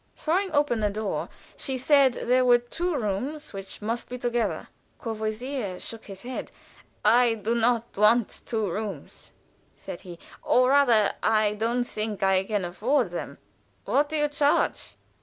Throwing open a door, she said there were two rooms which must go together. Courvoisier shook his head. "I do not want two rooms," said he, "or rather, I don't think I can afford them. What do you charge?"